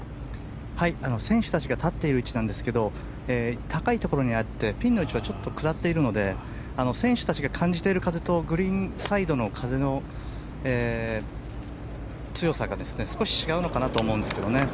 選手たちが立っている位置ですが高いところにあってピンの位置はちょっと下っているので選手たちが感じている風とグリーンサイドの風の強さが少し違うのかなと思います。